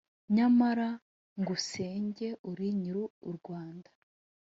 Nyamara ngusenge uri nyiri u Rwanda